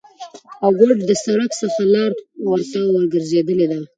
او گوډه د سرک څخه لار ورته ورگرځیدلې ده،